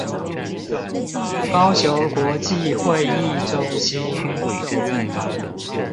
高雄國際會議中心